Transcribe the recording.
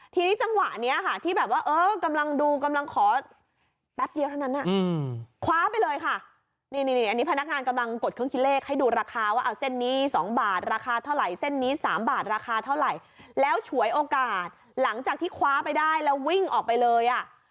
ทีนี้จังหวะนี้ค่ะที่แบบว่าเออกำลังดูกำลังขอแป๊บเดียวเท่านั้นคว้าไปเลยค่ะนี่อันนี้พนักงานกำลังกดเครื่องคิดเลขให้ดูราคาว่าเอาเส้นนี้๒บาทราคาเท่าไหร่เส้นนี้๓บาทราคาเท่าไหร่แล้วฉวยโอกาสหลังจากที่คว้าไปได้แล้ววิ่งออกไปเลยอ่ะ